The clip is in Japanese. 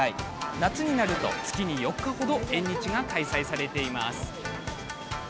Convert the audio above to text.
夏になると、月に４日程縁日が開催されています。